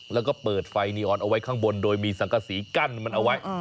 แล้วก็เปิดไฟนีออนเอาไว้ข้างบนโดยมีสังกษีกั้นมันเอาไว้